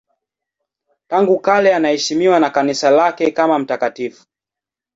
Tangu kale anaheshimiwa na Kanisa lake kama mtakatifu.